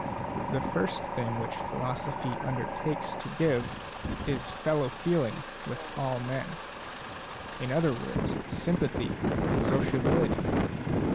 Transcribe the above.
The first thing which philosophy undertakes to give is fellow feeling with all men ; in other words, sympathy and sociability.